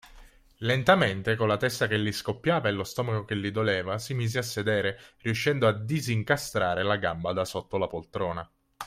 Lentamente, con la testa che gli scoppiava e lo stomaco che gli doleva, si mise a sedere, riuscendo a disincastrare la gamba da sotto la poltrona.